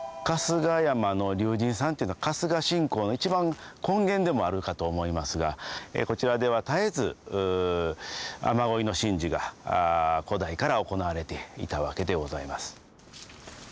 春日山の龍神さんというのは春日信仰の一番根源でもあるかと思いますがこちらでは絶えず雨乞いの神事が古代から行われていたわけでございます。